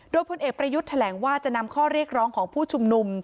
โดยพลเอกประยุทธ์แถลงว่าจะนำข้อเรียกร้องของผู้ชุมนุม